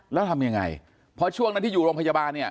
แล้วทำยังไงเพราะช่วงนั้นที่อยู่โรงพยาบาลเนี่ย